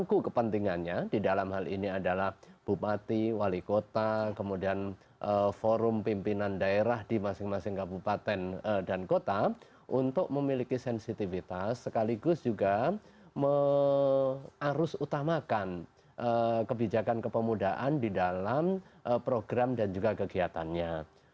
jadi itu kepentingannya di dalam hal ini adalah bupati wali kota kemudian forum pimpinan daerah di masing masing kabupaten dan kota untuk memiliki sensitivitas sekaligus juga harus utamakan kebijakan kepemudaan di dalam program dan juga kegiatannya